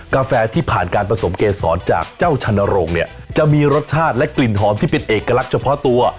กาแฟที่ผ่านการผสมเกษรจากเจ้าชนรงค์เนี่ยจะมีรสชาติและกลิ่นหอมที่เป็นเอกลักษณ์เฉพาะตัว